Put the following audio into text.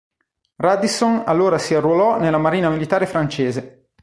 Radisson allora si arruolò nella marina militare francese.